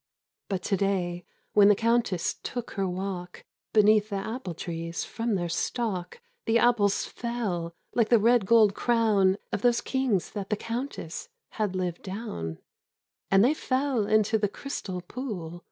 But to day when the Countess took her walk Beneath the apple trees, from their stalk The apples fell like the red gold crown Of those kings that the Countess had lived down — And they fell into the crystal pool.